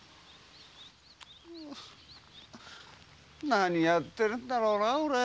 何をやってるんだろうな俺。